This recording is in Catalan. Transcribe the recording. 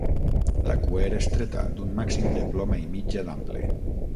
La cua era estreta, d'un màxim de ploma i mitja d'ample.